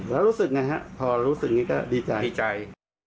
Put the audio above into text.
แล้วรู้สึกยังไงครับพอรู้สึกรู้จักก็ดีใจ